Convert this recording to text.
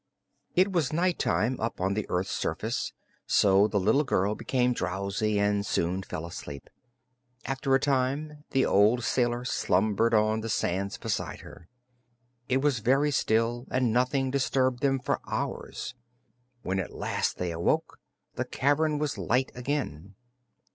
It was nighttime up on the earth's surface, so the little girl became drowsy and soon fell asleep. After a time the old sailor slumbered on the sands beside her. It was very still and nothing disturbed them for hours. When at last they awoke the cavern was light again.